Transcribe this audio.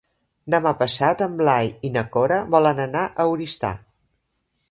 Demà passat en Blai i na Cora volen anar a Oristà.